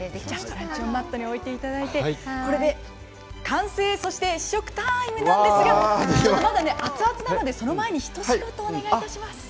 ランチョンマットに置いていただいて感想そして試食タイムなんですが熱々なのですが一仕事お願いします。